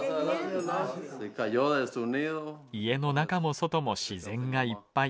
家の中も外も自然がいっぱい。